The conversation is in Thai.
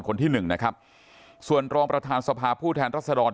คนที่หนึ่งนะครับส่วนรองประธานสภาผู้แทนรัศดร